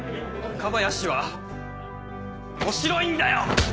若林は面白いんだよ！